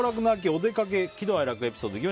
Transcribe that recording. おでかけ喜怒哀楽エピソード。